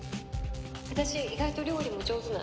私意外と料理も上手なんですよ。